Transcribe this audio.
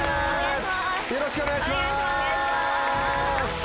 よろしくお願いします。